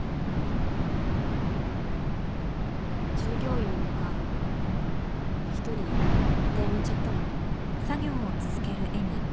従業員の子が１人また辞めちゃったの。